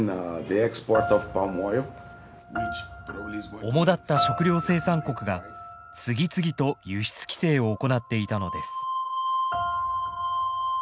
おもだった食料生産国が次々と輸出規制を行っていたのです。